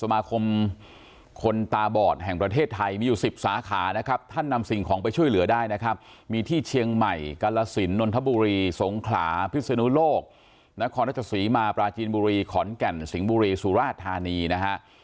สมาคมคนตาบอดแห่งประเทศไทยมีอยู่สิบสาขานะครับท่านนำสิ่งของไปช่วยเหลือได้นะครับมีที่เชียงใหม่กาลสินนนทบุรีสงขลาพิศนุโลกนครราชสีมาปราจีนบุรีขอนแก่นสิงห์บุรีสุราชธานีนะฮะ